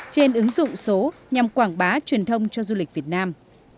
trên ứng dụng số nhằm quảng bá truyền thông cho du lịch việt nam